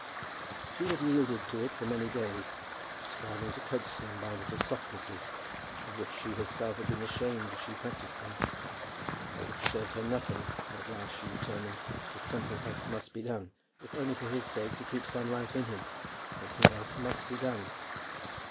She had yielded to it for many days, striving to coax him by little softnesses of which she herself had been ashamed as she practised them. They had served her nothing, and at last she determined that something else must be done. If only for his sake, to keep some life in him, something else must be done.